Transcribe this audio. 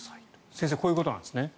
先生、こういうことなんですね。